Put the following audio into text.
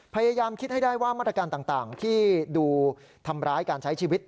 พยายามคิดให้ได้ว่ามาตรการต่างที่ดูทำร้ายการใช้ชีวิต